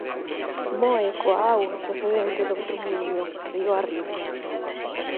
Moe coa auga procedente doutro muíño río arriba.